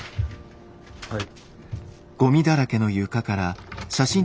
はい。